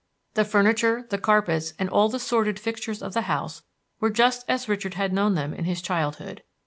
The furniture, the carpets, and all the sordid fixtures of the house were just as Richard had known them in his childhood.